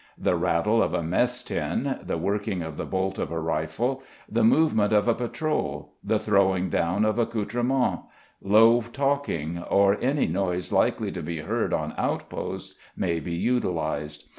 The rattle of a mess tin, the working of the bolt of a rifle, the movement of a patrol, the throwing down of accoutrements, low talking, or any noise likely to be heard on outposts may be utilised.